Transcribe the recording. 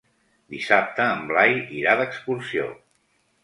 Dissabte en Blai irà d'excursió.